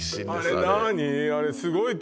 あれ何？